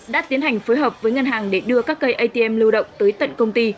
đã tiến hành phối hợp với ngân hàng để đưa các cây atm lưu động tới tận công ty